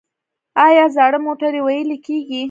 آیا زاړه موټرې ویلې کیږي؟